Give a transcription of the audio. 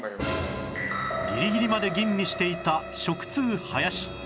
ギリギリまで吟味していた食通・林